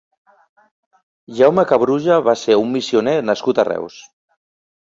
Jaume Cabruja va ser un missioner nascut a Reus.